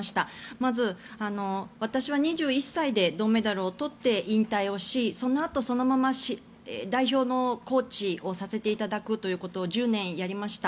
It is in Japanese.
まず、私は２１歳で銅メダルを取って引退をし、そのあとそのまま代表のコーチをさせていただくということを１０年やりました。